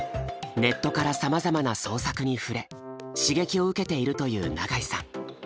ネットからさまざまな創作に触れ刺激を受けているという永井さん。